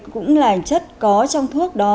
cũng là chất có trong thuốc đó